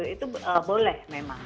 itu boleh memang